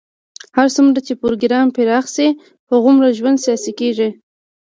هر څومره چې پروګرام پراخ شي، هغومره ژوند سیاسي کېږي.